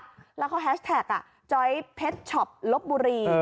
มีแฟนท์แท็คจอยท์เพชชอปลบบุรี